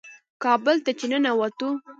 کابل ته چې ننوتو.